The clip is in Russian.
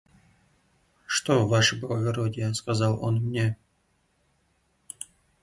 – Что, ваше благородие? – сказал он мне.